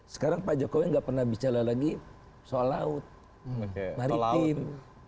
sekarang pak jokowi nggak pernah bicara lagi soal laut maritim